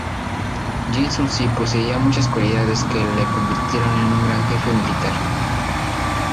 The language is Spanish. Yi Sun Sin poseía muchas cualidades que le convirtieron en un gran jefe militar.